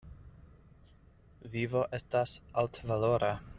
Vivo estas altvalora.